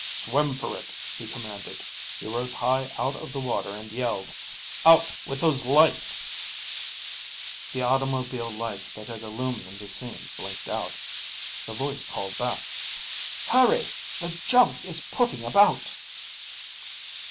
"Swim for it," he commanded. He rose high out of the water and yelled, "Out with those lights!" The automobile lights that had illumined the scene blinked out. The voice called back, "Hurry! The junk is putting about!"